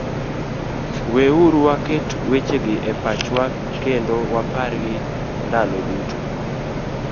Weuru waket wechegi e pachwa kendo wapargi ndalo duto: